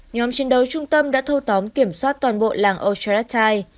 nhóm chiến đấu trung tâm đã thâu tóm kiểm soát toàn bộ làng ocherrattite